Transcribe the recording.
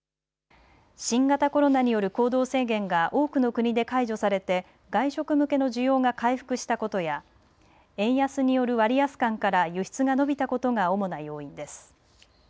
新型コロナによる行動制限が多くの国で解除されて外食向けの需要が回復したことや円安による割安感から輸出が伸びたことが主な要因です。